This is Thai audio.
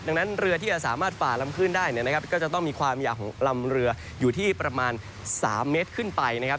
ดังนั้นเรือที่จะสามารถฝ่าลำคลื่นได้เนี่ยนะครับก็จะต้องมีความยาวของลำเรืออยู่ที่ประมาณ๓เมตรขึ้นไปนะครับ